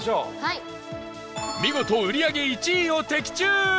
見事、売り上げ１位を的中！